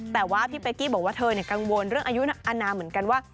แต่ว่าพี่เป๊กกี้บอกว่าเธอกังวลเรื่องอายุอนามเหมือนกันว่า